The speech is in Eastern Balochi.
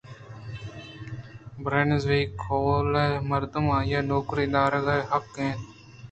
برنزویک کہول ءِ مردم آئی ءِ نوکریءَ دارگ ءِ حقءَ اِت اَنت